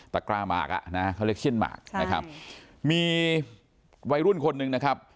กร้าหมากอ่ะนะเขาเรียกเขี้ยนหมากนะครับมีวัยรุ่นคนหนึ่งนะครับ